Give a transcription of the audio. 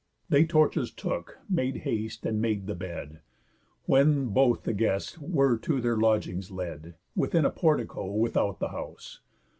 They torches took, made haste, and made the bed; When both the guests were to their lodgings led Within a portico without the house.